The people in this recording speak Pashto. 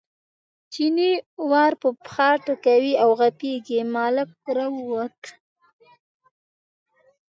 چیني ور په پښه ټکوي او غپېږي، ملک راووت.